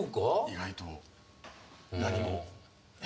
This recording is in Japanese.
意外と何も。